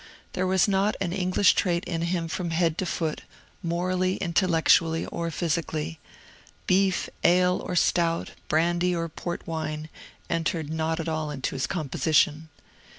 There was not am English trait in him from head to foot, morally, intellectually, or physically. Beef, ale, or stout, brandy or port wine, entered not at all into his composition.